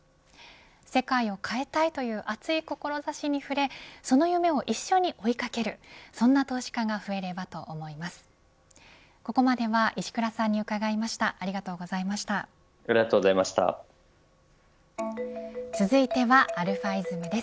世界を変えたいという熱い志に触れその夢を一緒に追いかけるそんな投資家が増えればと思います。